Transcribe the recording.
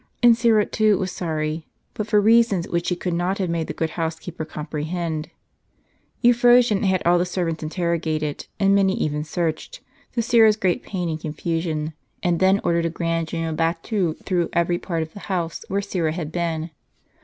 And Syra too was sorry, but for reasons which she could not have made the good housekeeper comprehend. Euphrosyne had all the servants interrogated, and many even searched, to Syra's great pain and confusion ; and then ordered a grand general battue through every part of the house w^here Syra had been.